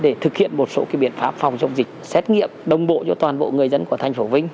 để thực hiện một số biện pháp phòng chống dịch xét nghiệm đồng bộ cho toàn bộ người dân của thành phố vinh